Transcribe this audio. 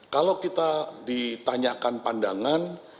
kalau kita ditanyakan pandangan